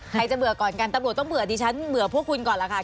ใครจะเบื่อก่อนกันตำรวจต้องเบื่อดิฉันเบื่อพวกคุณก่อนล่ะค่ะ